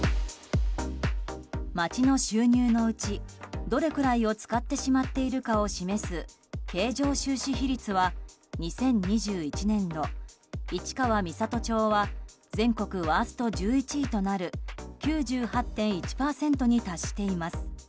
町の収入のうち、どれぐらいを使ってしまっているかを示す経常収支比率は２０２１年度市川三郷町は全国ワースト１１位となる９８．１％に達しています。